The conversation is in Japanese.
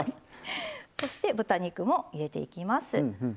そして、豚肉も入れていきます。